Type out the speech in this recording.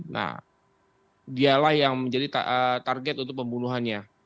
nah dialah yang menjadi target untuk pembunuhannya